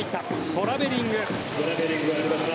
トラベリング。